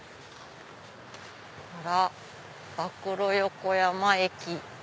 あら馬喰横山駅。